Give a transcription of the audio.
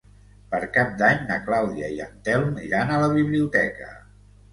Per Cap d'Any na Clàudia i en Telm iran a la biblioteca.